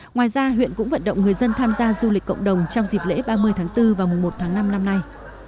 ngoài ra huyện cũng vận động người dân tham gia du lịch cộng đồng trong dịp lễ ba mươi tháng bốn và mùa một tháng năm năm nay